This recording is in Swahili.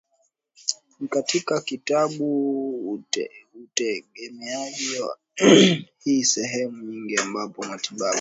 ni katika kutibu utegemeaji wa hiSehemu nyingine ambapo matibabu